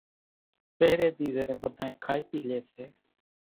پھرين ۮي زيرين ٻڌانئين کائي پِي لئي سي